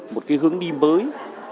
một hướng đi mới